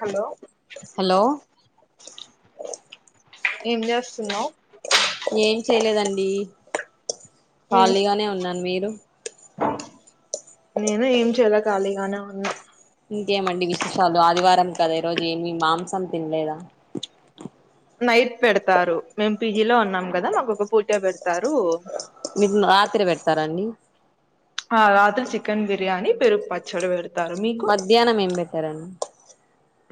Hello hello ఏం చేస్తున్నావు ఏం చేయలేదండి ఖళీగానే ఉన్నాను మీరు నేను ఏం చేయల ఖాళీగానే ఉన్నా ఇంకేమండి విశేషాలు ఆదివారం కదా ఈ రోజు ఏమి మాంసం తిన్లేదా నైట్ పెడతారు మేము పీజీలో ఉన్నాం కదా మాకు ఒక పూటె పెడతారు మీకున్ రాత్రి పెడతారాండి ఆ రాత్రి చికెన్ బిర్యానీ పెరుగుపచ్చడి పెడ్ మధ్యానం ఏం పెట్టారండి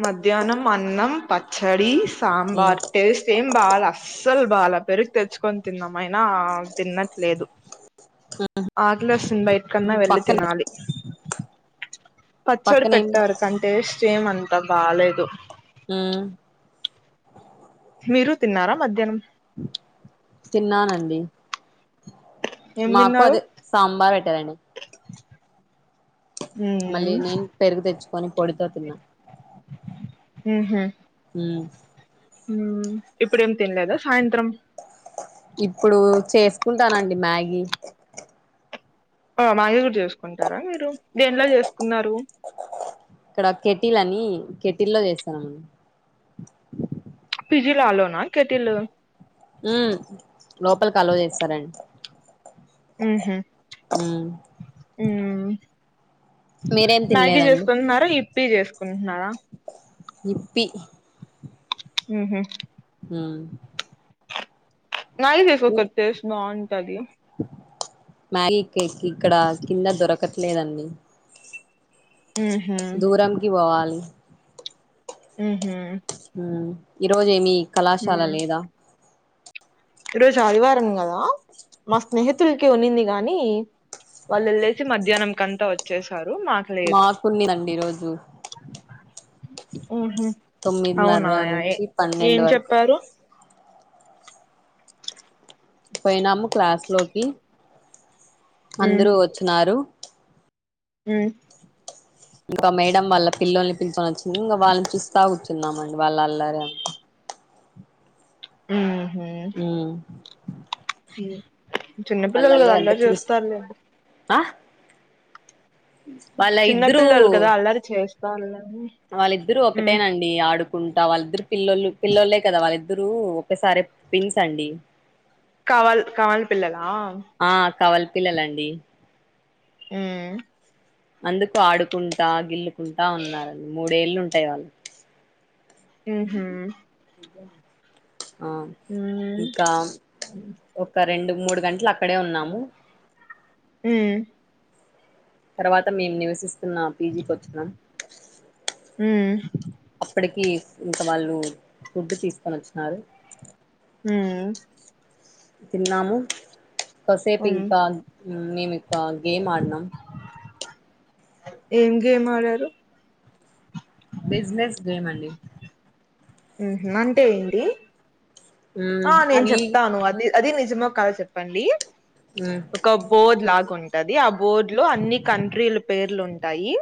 మధ్యాహ్నం అన్నం పచ్చడి సాంబార్ టేస్ట్ ఏం బాల అస్సలు బాల పెరు తెచ్చుకొని తిన్నామయినా తిన్నట్లేదు ఆకలేస్తుంది బయ్ అక్కన్నా వెళ్ళి పక్కన తినాలి పచ్చడి పక్కనేం పెట్టారు కంటే స్టేమ్ అంతా బాలేదు ఉ మీరు తిన్నారా మధ్యాహ్నం తిన్నానండి ఏం మాకు తిన్నారు అదే సాంబార్ పెట్టరండి మళ్ళీ ఉమ్ నేను పెరుగు తెచ్చుకొని పొడితో తిన్నా ఉహు ఉ ఉ ఇప్పుడేం తినలేదా సాయంత్రం ఇప్పుడు చేసుకుంటానండి మ్యాగీ ఆ మ్యాగీ గూడ చేసుకుంటారా మీరు దేనీలో చేసుకున్నారు ఇక్కడ కెటిల్ అని కెటిలో చేస్తాను పిజిలో అలోనా కేటిలు ఉ లోపలికి అలో చేస్తారండి ఉహు ఉ మ్యాగీ తినలేదండి చేసుకుంటున్నారా ఇప్పీ చేసుకుంటున్నారా ఇప్పి ఉ హు మ్యాగీ చేసుకో అక్క టేస్ట్ బాంటది మ్యాగీ కేక్ ఇక్కడ కింద దొరకట్లేదండి ఉహు దూరంకి బోవాలి ఉహు ఈరోజు ఏమి కళాశాల లేదా ఈ రోజు ఆదివారం గదా మా స్నేహితులు కొంది కానీ వాళ్ళు వెళ్ళేసి మధ్యాహ్నం కంతా వచ్చేస్ రు మాకులేదు మాకున్నదండి ఈరోజు హ అవునా తొమ్మిదిన్నర నుంచి ఏం పన్నెండు వరకు చెప్పారు పోయినాము క్లాస్ లోకి అందరూ వచ్చినారు ఉ ఇంకా మేడం వాళ్ళ పిల్లల్ని పిలుచొకొని వచ్చింది ఇంకా వాళ్ళని చూస్తా కూచున్నాంమండి వాళ్ళ అల్లరే ఉ ఉ చిన్న వాళ్ళ పిల్లలు కదా అంతా అల్లరి చూసి చేస్తారులేండి ఆ వాళ్ళ చిన్న ఇద్దరు పిల్లలు కదా అల్లరి చేస్తారులేండి వాళ్ళిద్దరు ఉమ్ ఒకటేనండి ఆడు కుంటా వాళ్ళిద్దరు పిల్లలు పిల్లోళ్ళే కదా వాళ్ళిద్దరు ఒకసారి పిన్స్ అండి కవల్ కవల్ పిల్లలా ఆ కవలి పిల్లలండి ఉ అందుకు ఆడుకుంటా గిల్లుకుంటా ఉన్నారండి మూడేళ్ళు ఉంటాయి వాళ్ళు ఉహు ఆ ఉమ్ ఇంకా ఒక రెండు మూడు గంటలు అక్కడే ఉన్నాము ఉ తర్వాత మేము నివసిస్తున్నా పీజికి వచ్చిన ఉమ్ అప్పటికి ఇంక వాళ్ళు ఫుడ్ తీసుకొని వచ్చినారు ఊ తిన్నాము కాసేపు ఉమ్ ఇంకా మేమిక్క గేమ్ ఆడినాం ఏం గేమ్ ఆడారు బిజినెస్ గేమ్ అండి ఉ అంటే ఏంటి మ్ ఆ నేను అవి చెప్తాను అది అది నిజమో కాదో చెప్పండి ఉమ్ ఒక బోద్ లాగ్ ఉం టది ఆ బోర్డు లో అన్ని కంట్రీల పేర్లుంటాయి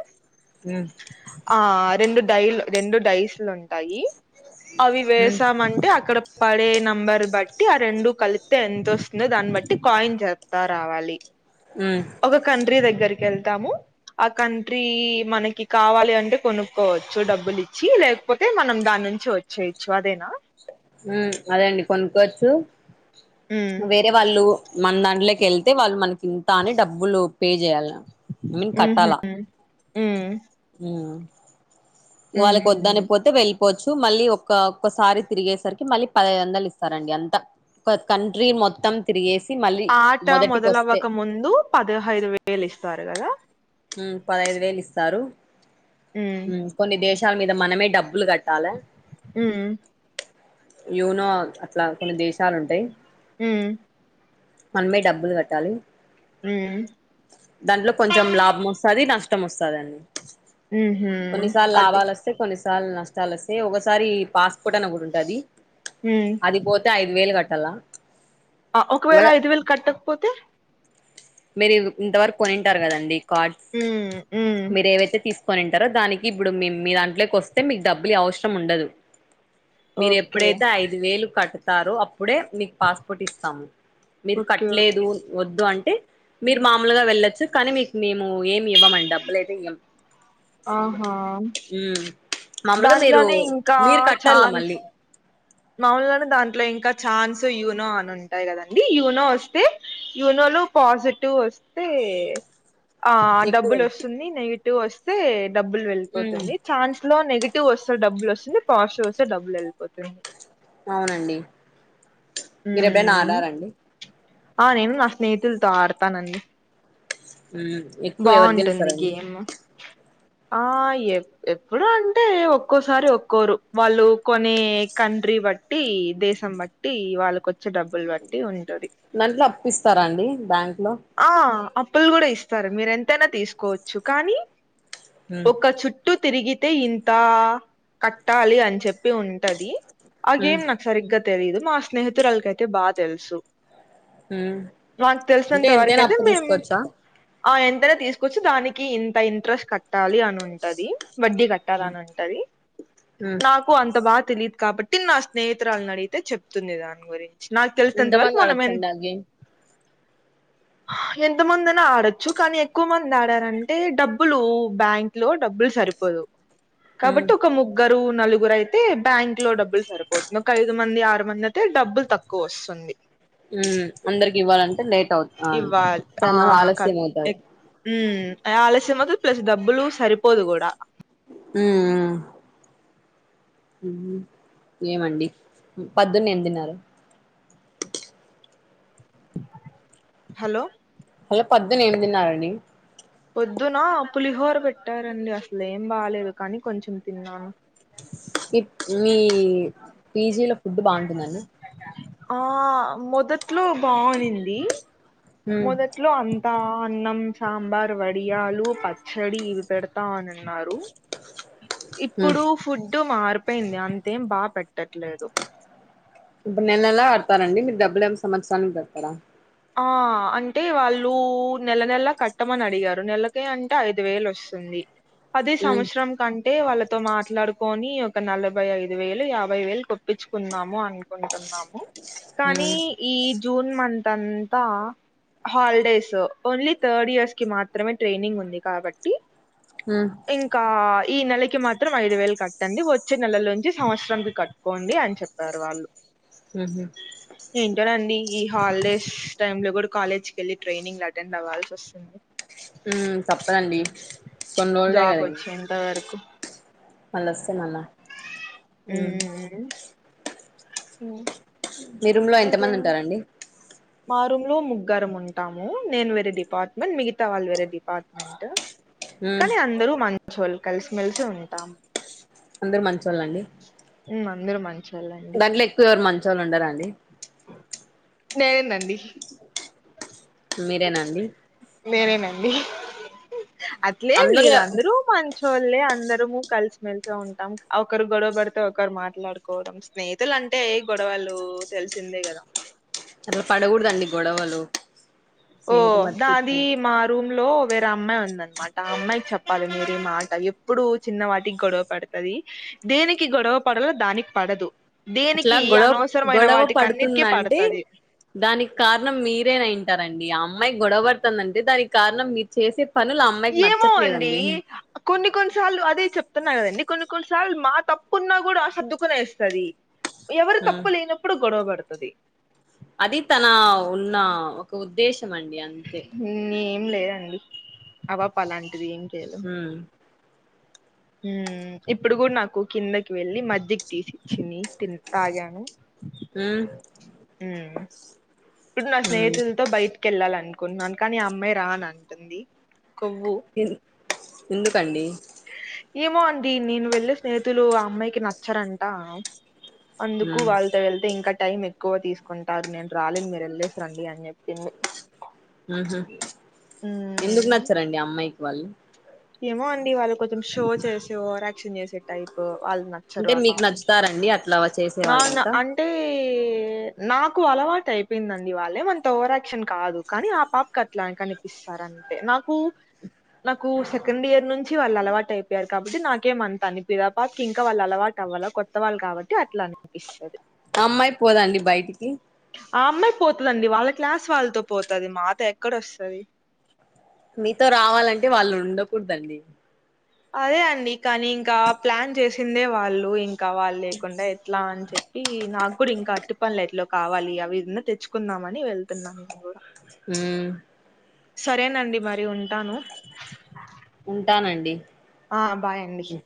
ఉ రెండు డైలు రెండు డైస్లు ఉంటాయి అవి ఉమ్ వేసామంటే అక్కడ పడే నెంబర్ బట్టి ఆ రెండు కలిపితే ఎంతొస్తుందో దాన్ని బట్టి కాయిన్ జర్పుత రావాలి ఉమ్ ఒక కంట్రీ దగ్గరకెళ్తాము ఆ కంట్రీ మనకి కావాలి అంటే కొనుక్కోవచ్చు డబ్బులు ఇచ్చి లేకపోతే మనం దాన్ నుంచి వచ్చేచ్చు అదేనా ఉ అదండి కొనుక్కోవచ్చు ఉమ్ వేరే వాళ్ళు మన దాంట్లోకి వెళ్తే వాళ్ళు మనకి ఇంత అని డబ్బులు పే చేయల్ల ఐ మీన్ కట్టలా ఉ వాళ్ళకు ఉహు వద్దని పోతే వెళ్ పోచ్చు మళ్ళీ ఒక్క ఒక్కసారి తిరిగేసరికి మళ్ళీ పదఐదు వందలు ఇస్తారండి అంత ఒక కంట్రి మొత్తం తిరిగేసి మళ్ళీ ఆట మొదటికి వస్తే మొదలవ్వక ముందు పదహైదు వేలు ఇస్తారు కదా పదైదు వేలు ఇస్తారు ఉమ్ కొన్ని దేశాల మీద మనమే డబ్బులు కట్ ఉ యూనో అట్లా కొన్ని దేశ ఉ మనమే డబ్బులు కట్టాలి ఉమ్ దాంట్లో కొంచెం లాభ నష్టం వస్తుందన్ని ఉహు కొన్నిసార్లు అది లాభాలు వస్తే కొన్నిస నష్టాలు వస్తే ఒకసారి పాస్పోర్ట్ అన ఒకటి ఉంటాది ఉమ్ అది పోతే ఐదు వేలు కట్ ట్టల ఒకవేళ ఐదు వేలు కట్టకపోతే మీరు ఇంతవరకు కొనింటారు కదండి కార్డ్ ఉమ్ ఉమ్ మీరు ఏవైతే తీస్ కొనింటారో దానికి ఇప్పుడు మీ దాంట్లోకి వస్తే మీకు డబ్బులియ అవసరం ఉండదు మీరు ఓకే ఎప్పుడైతే ఐదు వేలు కడతారో అప్ ఇప్పుడే మీకు పాస్పోర్ట్ ఇస్తాము మీరు ఓకే ఓకే కట్టలేదు వద్దు అం మీరు మామలుగా వెళ్ళొచ్చు కానీ మీకు మేము ఏమి ఇవ్వమండి డబ్బులు అయితే ఇయ్యం ఆహా ఉమ్ మామూలుగా మీరు దాంట్లోనే ఇంకా మీరు కట్టాల ఛాన్స్ మళ్ళీ మామలనే దాంట్లో ఇంకా ఛాన్స్ యూనో అని ఉంటాయి కదండి యూనో వస్తే యూనో లో పాజిటివ్ వస్తే ఆ ఎక్కువ డబ్బులు వస్తుంది నెగిటివ్ వస్తే డబ్బులు ఉమ్ వెళ్ళిపోతుంది ఛాన్స్ లో నెగిటివ్ వస్త డబ్బులు వస్తుంది పాజిటివ్ వస్తే డబ్బులు వెళ్ళిపోతుంది అవునండి మీరు ఎప్పుడైనా ఆడారాండి. ఆహ్ నేను నా స్నేహితులతో ఆడతానండి. ఉమ్ ఎక్కువ ఎవరు బాగుంటుంది గెలుస్తారండి గేమ్. ఆహ్ ఎప్ ఎప్పుడు అంటే ఒక్కోసారి ఒక్కోరు వాళ్ళు కొన్ని కట్. కంట్రీ బట్టి దేశం బట్టి వాళ్ళకోచ్చే డబ్బులు బట్టి ఉన్. దంట్లా అప్పిస్తారా అండి బ్యాంక్. లో ఆహ్ అప్పులు కూడా ఇస్తారు మీరు ఎంతైనా తీసుకోవచ్చు కానీ. ఉమ్ ఒక చుట్టూ. తిరిగితే ఇంత కట్టాలి అని చెప్పి ఉంటది. ఆ ఉమ్ గేమ్ నాకు సరిగ్గా తెలీదు మా స్నేహితురాలు కైతే బాగా తెలుసు. ఉమ్ మాకు అంటే తెలిసినంత ఎంతైనా వరకైతే అప్పు మేము. తీసుకోవచ్చా ఆహ్ ఎంతనో తీసుకొచ్చి దానికి ఇంత ఇంట్రెస్ట్ కట్టాలి అని ఉంటది. వడ్డీ కట్టాలి అని ఉంటది ఉమ్ నాకు అంత బాగా. తెలీదు కాబట్టి నా స్నేహితురాలిని అడిగితే చెప్తుంది దాని గురించి. నాకు తెలిసినంతవరకు ఎంతమంది మనం ఎంత. ఆడొచ్చండి ఆ గేమ్ ఎంతమంది ఐనా ఆడొచ్చు కానీ ఎక్కువ మంది ఆడారంటే డబ్బులు బ్యాంక్ లో డబ్బులు సరి. సరిపోదు ఉమ్ కాబట్టి ఒక ముగ్గురు. ఒక నలుగురు అయితే బ్యాంకు లో డబ్బులు సరిపోతుంది ఒక ఐదు మంది ఆరు మంది అయితే డబ్బులు తక్కువ వస్తుంది. ఉమ్ అందరికి ఇవ్వాలంటే లేట్ అవు ఆహ్ ఇవ్వాలి ఆ చాన ఆలస్యం అవుతది. ఉమ్ ఆలస్యం అయితది ప్లస్ డబ్బులు సరిపోదు కూడా. ఉమ్. ఉమ్ ఏమండి పొద్దున ఏం తిన్నారు. హలో. పొద్దున ఏం తిన్నారండి. పొద్దున పులిహోర పెట్టారండి అసలు ఏం బాలేదు కానీ కొంచెం తిన్నాను. స్కిప్ మీ పీజీలో ఫుడ్ బాగుంటుందండి. ఆహ్ మొదట్లో బాగునింది. హ్మ్ మొదట్లో అంతా అన్నం. సాంబార్ వడియాలు పచ్చడి ఇవి పెడతా అని. అన్నారు హ్మ్ ఇప్పుడు ఫుడ్ మరు. పేయింది అంతేం బాగా పెట్టాట్లేదు. ఇప్పుడు నెల నెలా కడతారండి మీరు డబ్బులేం సంవత్సరానికి కడతారా. ఆహ్ అంటే వాళ్ళు నెల నెల కట్టమని అడిగారు నెలకి అంటే ఐదు వేలు వస్తుంది. అది హ్మ్ సంవత్సరం కంటే వాళ్ళకు. తో మాట్లాడుకొని ఒక నలభై ఐదు వేలు యాభై వేలు కొట్టించుకుందము అనుకుంటున్నాము. కానీ హ్మ్ ఈ జూన్ మంత్ అంతా. హాలిడేస్ ఓన్లీ థర్డ్ ఇయర్స్ కి మాత్రమే ట్రైనింగ్ ఉంది కాబట్టి. హ్మ్ ఇంకా ఈ నెల. కి మాత్రం ఐదు వేలు కట్టండి వచ్చే నెలల నుంచి సంవత్సరం కట్టుకోండి అని చెప్పారు వాళ్ళు. ఊహూ ఏంటోనండి ఈ హాలిడేస్. టైం లో కూడా కాలేజ్ కి వెళ్ళి ట్రైనింగ్ అటెండ్ అవ్వాల్సి వస్తుంది. ఉమ్ తప్పదండి. కొన్ని జాబ్ వచ్చేంత వరకు. మళ్ళోస్తే మల్ల ఉమ్ హ మీ రూమ్ లో ఎంత మంది ఉంటారండి? మా రూమ్ లో ముగ్గరం ఉంటాము. నేను వేరే డిపార్ట్మెంట్, మిగతా వాళ్ళు వేరే డిపార్ట్మెంట్. హ్మ్ కానీ అందరూ మంచోళ్ళు కలిసిమెలిసి ఉంటాం. అందరు మంచివాళ్ళండి. మందిరు మంచి దాంట్లో ఎక్కువ ఎవరు మంచళ్ళు ఉండారా అండి? నేందండి మీరేనాండి మెరేనండి అట్లేం ఏం లేదు అందరూ మంచోలే అందరు కలిసిమెలిసి ఉంటాం ఒకరు గొడవ పడితే ఒకరు మాట్లాడుకోవడం స్నేహతులు అంటే ఏ గొడవ లు తెలిసిందే కదా అట్లా పడకూడదండి గొడవలు ఓ స్నేహితు దాది మచ్చి మా రూమ్ లో వేరే అమ్మాయి ఉందనమాట అమ్మాయి చెప్ప పలమరి మాట ఎప్పుడు చిన్న వాటికి గొడవ పడుతుది. దేనికి గొడవ పడలో దానికి పడదు. అట్లా దేనికి గొడవ అనవసరమైన గొడవ వాటికి అన్నిటికీ పడుతుందంటే పడతది దానికి కారణం మీరేనంటారండి. ఆ అమ్మాయి గొడవ పడుతుందంటే దానికి కారణం మీరు చేసే పనులు ఆ అమ్మాయికి ఏమో అండి నచ్చట్లేదండి కొన్ని కొన్ని సార్లు అదే చెప్ స్తున్నాయి కదా ఎన్ని కొన్ని కొన్ని సార్లు మా తప్పున్నా కూడా ఆ సర్దుకునే స్తది ఎవరు హ్మ్ తప్పు లేనప్పుడు గొడవ పడుతది. అది తన ఉన్న ఒక ఉద్దేశం అండి అంతే ఉమ్, ఏం లేదండి అపాప అలాంటిది ఏంటి హ ఉమ్ ఇప్పుడు కూడా నాకు కిందకి వెళ్ళి మజ్జికి తీసిచ్చింది. తిన్ తాగాను ఉమ్ మ్ ఇప్పుడు నా ఉమ్ స్నేహితులతో బయటకి వెళ్ళాలి అనుకుంటన్నాను. కానీ ఆ అమ్మాయి రానంటుంది. ఇన్ ఎందుకండి ఏమో అండి నేను వెళ్ళి స్నేహితులు ఆ అమ్మాయికి నచ్చరంట అందుకు ఉమ్ వాళ్ళతో వెళ్తే ఇంకా టైం ఎక్కువ తీసుకుంటారు నేను రాలేని మీరు వెళ్లేస్రండి అనిచెప్పింది. మ్హ ఎందుకు నచ్చరండి ఆ అమ్మాయికి వాళ్ళు? ఏమో అండి వాళ్ళు కొంచెం షో చేసే, ఓవర్ యాక్షన్ చేసే టైప్ వాళ్ళు నచ్చరు అంటే అ మీకు పాప కి నచ్చుతారండి అట్లా చేసే నాన్న వాళ్ళంతా అంటే నాకు అలవాటు అయిపోయిందండి వాళ్ళే మంత ఓవరాక్షన్ కాదు. కానీ ఆ పాపకు అట్లా కనిపిస్తాను. గంతే నాకు నాకు సె సెకండ్ ఇయర్ నుంచి వాళ్ళు అలవాటు కండియర్ నుంచి వాళ్ళు అలవాటు అయిపోయారు. కాబట్టి నాకేమి అంత అనిపియదు. ఆ పాప కి ఇంకా వాళ్ళు అలవాటు అవ్వలా కొత్త వాళ్ళక కాబట్టి అట్లా అనిపిస్తది. అమ్మాయి పోదాండి బయటికి పోతుదండి వాళ్ళ క్లాస్ వాళ్ళతో పోతది మాతో ఎక్కడ వస్తది. మీతో రావాలంటే వాళ్ళు ఉండకూడదండి అదే అండి కానీ ఇంకా ప్లాన్ చేసిందే వాళ్ళు ఇం కావాలి లేకుండా ఎట్లా అని చెప్పి నాకు అప్పుడు ఇంకా అట్టు పనులు ఎట్లో కావాలి అవి విన్నా తెచ్చుకుందామ అని వెళ్తున్నా నేను కూడా హ్మ్ సరేనండి మరి ఉంటాను ఉంటానండి ఆ బాయ్ అండి హ్